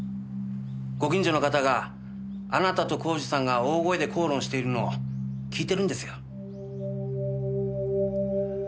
ご近所の方があなたと耕治さんが大声で口論しているのを聞いてるんですよ。